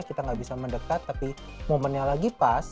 kita nggak bisa mendekat tapi momennya lagi pas